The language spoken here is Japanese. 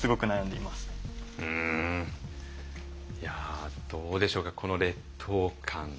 うんいやどうでしょうかこの劣等感。